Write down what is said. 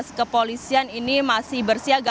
jadi petugas kepolisian ini masih bersiaga